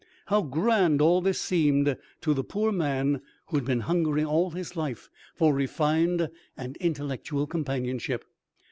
How grand all this seemed to the poor man who had been hungering all his life for refined and intellectual companionship!